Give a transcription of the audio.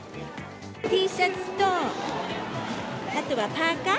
Ｔシャツと、あとはパーカー。